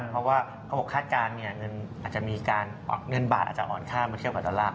เพราะว่าเขาบอกค้าการเงินบาทอาจจะอ่อนข้ามเที่ยวกับดอลลาร์